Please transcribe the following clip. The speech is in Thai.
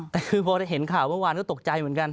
แต่คือพอได้เห็นข่าวเมื่อวานก็ตกใจเหมือนกัน